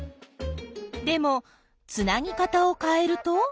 でもつなぎ方をかえると？